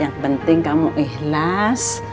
yang penting kamu ikhlas